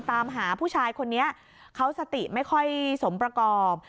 ตามหาผู้ชายคนนี้เขาสติไม่ค่อยสมประกอบ